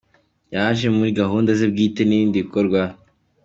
Yaje muri gahunda ze bwite n’ibindi bikorwa.